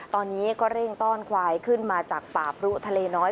ตอนนี้ก็เร่งต้อนควายขึ้นมาจากป่าพรุทะเลน้อย